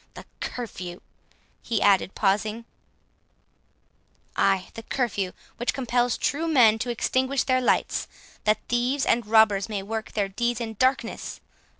The curfew!" he added, pausing, "ay, the curfew; which compels true men to extinguish their lights, that thieves and robbers may work their deeds in darkness!